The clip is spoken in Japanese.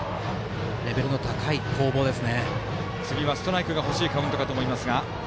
レベルの高い攻防です。